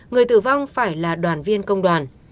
người tử vong phải là đoàn viên công đoàn